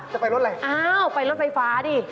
จะไปรถอะไรอ้าวไปรถไฟฟ้าดิ